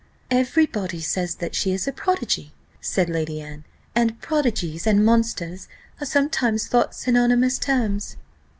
"Every body says that she's a prodigy," said Lady Anne; "and prodigies and monsters are sometimes thought synonymous terms."